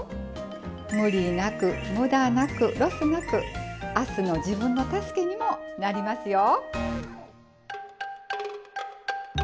無理なく無駄なくロスなく明日の自分の助けにもなりますよ。